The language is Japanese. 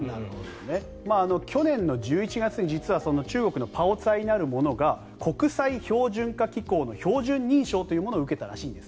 去年の１１月に実は中国のパオツァイなるものが国際標準化機構の標準認証というものを受けたらしいんです。